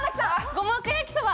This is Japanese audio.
五目焼きそば！